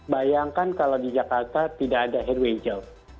bayangkan kalau di jakarta tidak ada rw hijau